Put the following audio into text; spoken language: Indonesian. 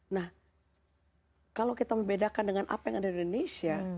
nah kalau kita membedakan dengan apa yang ada di indonesia